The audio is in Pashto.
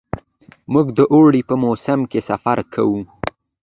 موږ د اوړي په موسم کې سفر کوو.